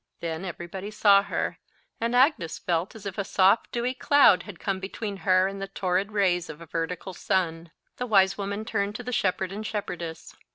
Then everybody saw her, and Agnes felt as if a soft dewy cloud had come between her and the torrid rays of a vertical sun. The wise woman turned to the shepherd and shepherdess.